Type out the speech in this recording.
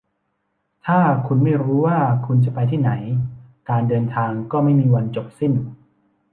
ถ้าคุณไม่รู้ว่าคุณจะไปที่ไหน การเดินทางก็ไม่มีวันจบสิ้น